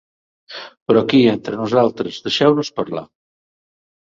Però aquí, entre nosaltres, deixeu-nos parlar.